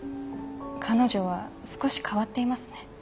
彼女は少し変わっていますね。